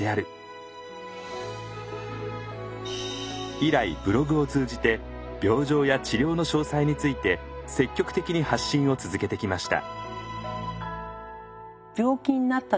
以来ブログを通じて病状や治療の詳細について積極的に発信を続けてきました。